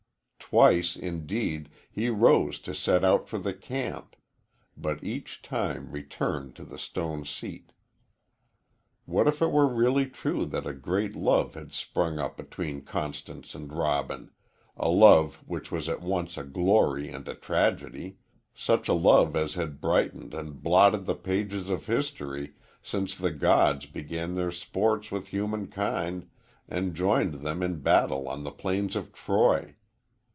Twice, indeed, he rose to set out for the camp, but each time returned to the stone seat. What if it were really true that a great love had sprung up between Constance and Robin a love which was at once a glory and a tragedy such a love as had brightened and blotted the pages of history since the gods began their sports with humankind and joined them in battle on the plains of Troy?